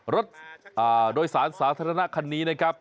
รถโดยสารสาธารณะคันนี้นะครับ